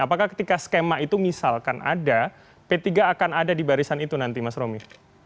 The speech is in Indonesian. apakah ketika skema itu misalkan ada p tiga akan ada di barisan itu nanti mas romi